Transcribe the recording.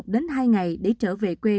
một đến hai ngày để trở về quê